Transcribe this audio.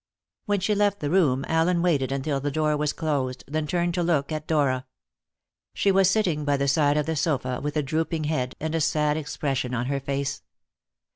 When she left the room, Allen waited until the door was closed, then turned to look at Dora. She was sitting by the side of the sofa with a drooping head, and a sad expression on her face.